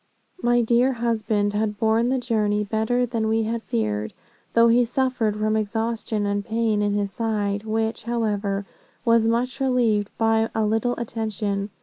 "My dear husband had borne the journey better than we had feared, though he suffered from exhaustion and pain in his side, which, however, was much relieved by a little attention.